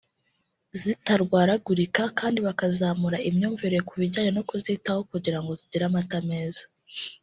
zitarwaragurika kandi bakazamura imyumvire ku bijyanye no kuzitaho kugira ngo zigire amata meza